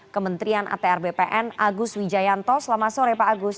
kementerian atr bpn agus wijayanto selamat sore pak agus